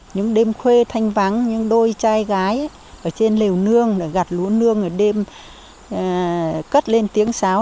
những đêm khuê thanh vắng những đôi trai gái ở trên lều nương gạt lúa nương ở đêm cất lên tiếng sáo